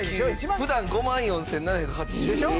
普段５万４７８０円のもの。